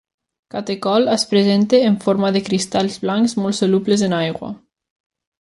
Catecol es presenta en forma de cristalls blancs molt solubles en aigua.